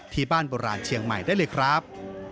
ที่บ้านบรรลานเชียงใหม่ได้เลยครับ